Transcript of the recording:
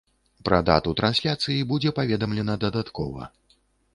Пра дату трансляцыі будзе паведамлена дадаткова.